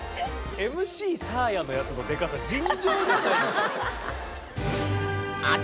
ＭＣサーヤのやつのデカさ尋常じゃない。